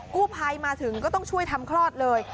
กู้ภัยมาถึงก็ต้องช่วยทำคลอดเลย